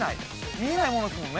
見えないものですもんね。